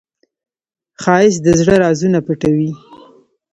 ښایست د زړه رازونه پټوي